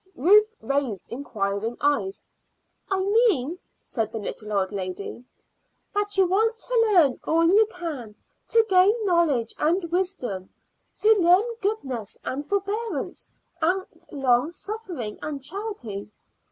Ruth raised inquiring eyes. "I mean," said the little old lady, "that you want to learn all you can to gain knowledge and wisdom, to learn goodness and forbearance and long suffering and charity."